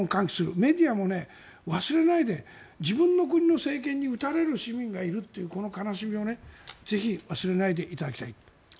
メディアも忘れないで自分の国の政権に撃たれる市民がいるというこの悲しみをぜひ忘れないでいただきたい。